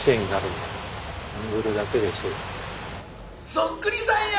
そっくりさんや！